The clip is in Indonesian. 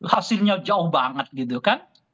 hasilnya jauh banget gitu kan